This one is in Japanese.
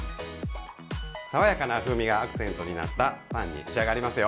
爽やかな風味がアクセントになったパンに仕上がりますよ。